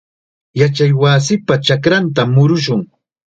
Yachaywasipa chakrantam murushun.